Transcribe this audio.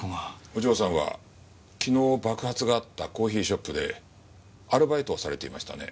お嬢さんは昨日爆発があったコーヒーショップでアルバイトをされていましたね。